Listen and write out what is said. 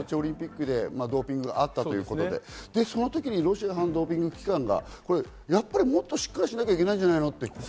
ソチオリンピックでドーピングがあったということで、その時にロシア反ドーピング機関がもっとしっかりしなきゃいけないんじゃないの？